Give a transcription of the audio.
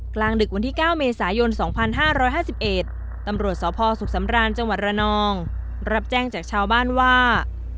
กลางดึกวันที่๙เมษายน๒๕๕๑ตำรวจสพสุขสำราญจังหวัดระนองรับแจ้งจากชาวบ้านว่า